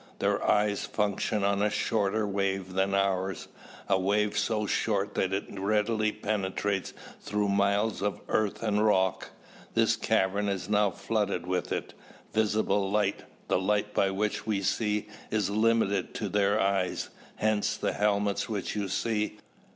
Their eyes function on a shorter wave than ours, a wave so short that it readily penetrates through miles of earth and rock. This cavern is now flooded with it. Visible light, the light by which we see, is limited to their eyes, hence the helmets which you see.